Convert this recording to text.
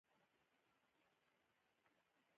خو باختر همیشه یاغي و